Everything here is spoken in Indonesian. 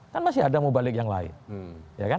kan masih ada yang mau balik yang lain